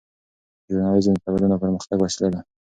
ژورنالیزم د تمدن او پرمختګ وسیله ده.